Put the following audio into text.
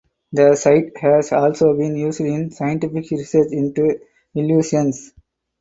The site has also been used in scientific research into illusions.